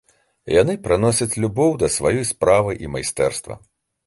Яны прыносяць любоў да сваёй справы і майстэрства.